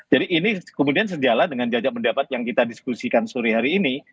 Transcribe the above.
jadi ini kemudian sejalan dengan jajak pendapat yang kita diskusikan sore hari ini